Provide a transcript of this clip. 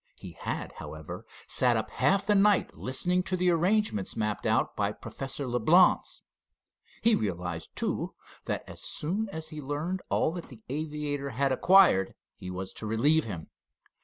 He had, however, sat up half the night listening to the arrangements mapped out by Professor Leblance. He realized, too, that as soon as he learned all that the aviator had acquired he was to relieve him.